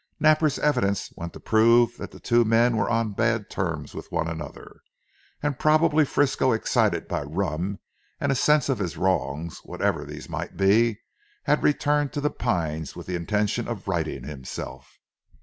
Napper's evidence went to prove that the two men were on bad terms with one another, and probably Frisco excited by rum and a sense of his wrongs, whatever these might be, had returned to "The Pines" with the intention of righting himself.